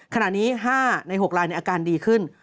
ขณะนี้๕ใน๖ลายในอาการดีขึ้น